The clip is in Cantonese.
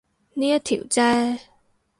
呢一條啫